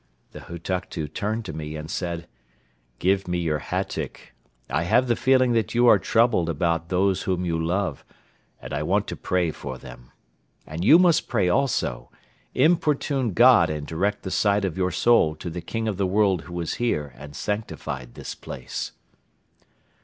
The Hutuktu turned to me and said: "Give me your hatyk. I have the feeling that you are troubled about those whom you love, and I want to pray for them. And you must pray also, importune God and direct the sight of your soul to the King of the World who was here and sanctified this place."